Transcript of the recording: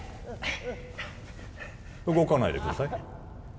動かないでください